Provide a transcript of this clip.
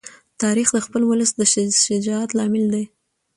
تاریخ د خپل ولس د شجاعت لامل دی.